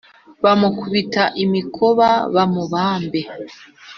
bamukubite imikoba bamubambe